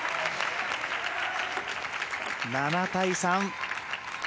７対３。